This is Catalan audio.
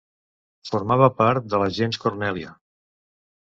Formava part de la gens Cornèlia.